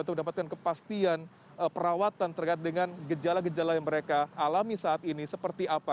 untuk mendapatkan kepastian perawatan terkait dengan gejala gejala yang mereka alami saat ini seperti apa